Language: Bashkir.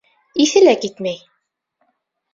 Иҫе лә китмәй.